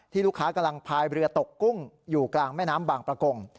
ลูกค้ากำลังพายเรือตกกุ้งอยู่กลางแม่น้ำบางประกง